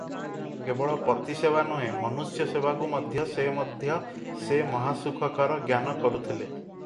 କେବଳ ପତିସେବା ନୁହେଁ, ମନୁଷ୍ୟ ସେବାକୁ ମଧ୍ୟ ସେ ମଧ୍ୟ ସେ ମହାସୁଖକର ଜ୍ଞାନ କରୁଥିଲେ ।